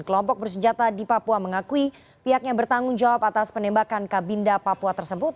kelompok bersenjata di papua mengakui pihak yang bertanggung jawab atas penembakan kabinda papua tersebut